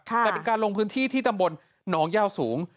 แต่เป็นการลงพื้นที่ที่ตำบลน้องย่าสูง